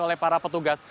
oleh para petugas